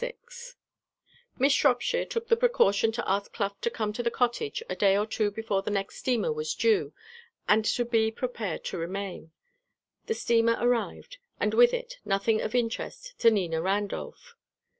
VI Miss Shropshire took the precaution to ask Clough to come to the cottage a day or two before the next steamer was due, and to be prepared to remain. The steamer arrived, and with it nothing of interest to Nina Randolph.